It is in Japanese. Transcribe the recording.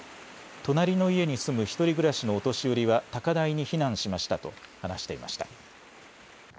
隣の家に住む１人暮らしのお年寄りは高台に避難しましたと話していました。